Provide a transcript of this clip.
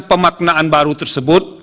pemaknaan baru tersebut